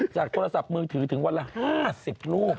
จากโทรศัพท์มือถือตั้งวันละ๕๐รูป